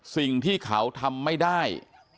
สิ่งที่เขาทำไม่ได้